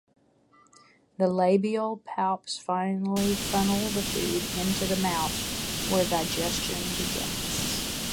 The labial palps finally funnel the food into the mouth, where digestion begins.